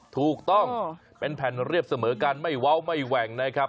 ถูกต้องเป็นแผ่นเรียบเสมอกันไม่เว้าไม่แหว่งนะครับ